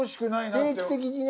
定期的にね。